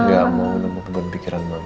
gak mau mau nunggu pikiran mama